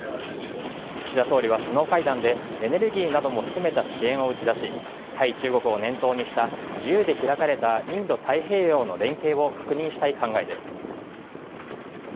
岸田総理は首脳会談でエネルギーなども含めた支援を打ち出し対中国を念頭にした自由で開かれたインド太平洋の連携を確認したい考えです。